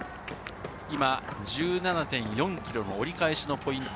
今１７．４ｋｍの折り返しのポイント。